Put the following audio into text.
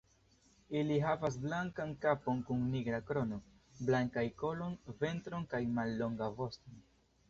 Ili havas blankan kapon kun nigra krono, blankajn kolon, ventron kaj mallongan voston.